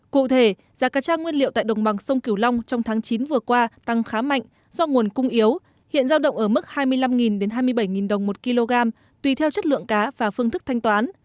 cụ thể giá cá tra nguyên liệu tại đồng bằng sông cửu long trong tháng chín vừa qua tăng khá mạnh do nguồn cung yếu hiện giao động ở mức hai mươi năm hai mươi bảy đồng một kg tùy theo chất lượng cá và phương thức thanh toán